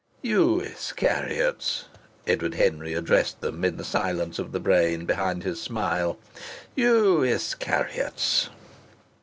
"You Iscariots!" Edward Henry addressed them, in the silence of the brain, behind his smile. "You Iscariots!"